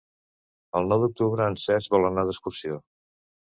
El nou d'octubre en Cesc vol anar d'excursió.